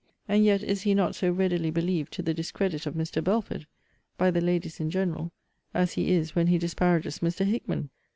* And yet is he not so readily believed to the discredit of Mr. Belford, by the ladies in general, as he is when he disparages Mr. Hickman.